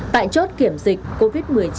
tại chốt kiểm dịch covid một mươi chín